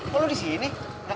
kok lo disini